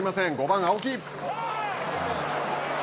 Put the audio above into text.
５番青木。